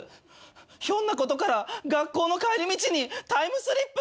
ひょんなことから学校の帰り道にタイムスリップ！？